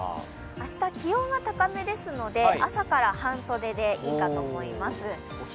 明日、気温は高めですので朝から半袖でいいかと思います。